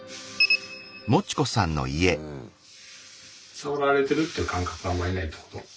触られてるっていう感覚があんまりないってこと？